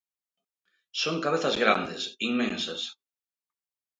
Son cabezas grandes, inmensas.